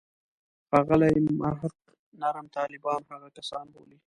ښاغلی محق نرم طالبان هغه کسان بولي.